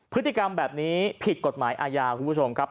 พฤติกรรมแบบนี้ผิดกฎหมายอาญาคุณผู้ชมครับ